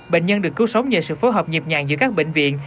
bệnh nhân được cứu sống nhờ sự phối hợp nhịp nhàng giữa các bệnh viện